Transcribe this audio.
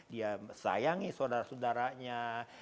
dia sayangi saudara saudaranya